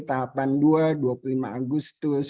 tahapan dua dua puluh lima agustus